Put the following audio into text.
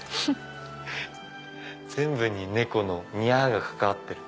全部に猫の「ニャ」が関わってる。